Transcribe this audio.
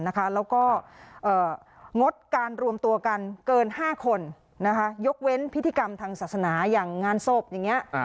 แล้วก็งดการรวมตัวกันเกิน๕คนยกเว้นพิธีกรรมทางศาสนาอย่างงานศพอย่างนี้